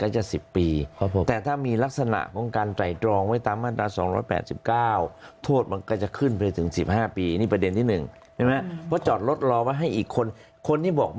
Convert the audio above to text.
จะบอกว่าตัวเองไม่เขียวเนี่ยคงยาก